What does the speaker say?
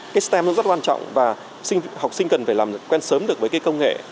cái stem rất quan trọng và học sinh cần phải làm quen sớm được với công nghệ